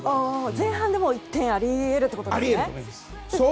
前半で１点があり得るということですね。